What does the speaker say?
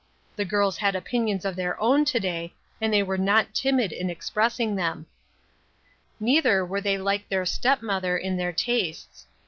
The girls had opinions of their own to day, and were not timid in expressing them. Neither were they like their step mother in their tastes.